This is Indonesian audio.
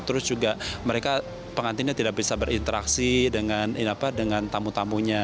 terus juga mereka pengantinnya tidak bisa berinteraksi dengan tamu tamunya